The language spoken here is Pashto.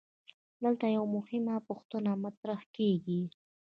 دلته یوه مهمه پوښتنه مطرح کیږي.